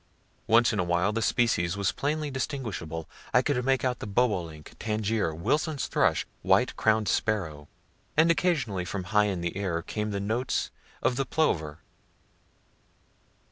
Once in a while the species was plainly distinguishable; I could make out the bobolink, tanager, Wilson's thrush, white crown'd sparrow, and occasionally from high in the air came the notes of the plover.